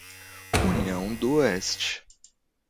União do Oeste